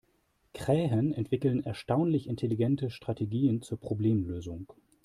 Krähen entwickeln erstaunlich intelligente Strategien zur Problemlösung.